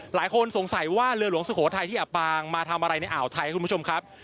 หลายคนสงสัยว่าเรือหลวงสุโขทัยที่อับปางมาทำอะไรในอ่าวไทยคุณผู้ชมครับ